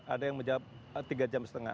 ada yang menjawab tiga jam setengah